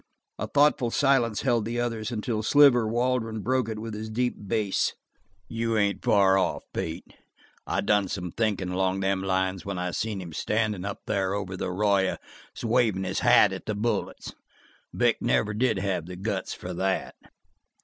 A thoughtful silence held the others until Sliver Waldron broke it with his deep bass. "You ain't far off, Pete. I done some thinkin' along them lines when I seen him standin' up there over the arroyo wavin' his hat at the bullets. Vic didn't never have the guts for that."